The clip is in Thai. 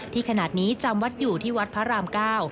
ขนาดนี้จำวัดอยู่ที่วัดพระรามเก้า